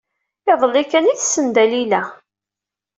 Iḍelli kan ay tessen Dalila.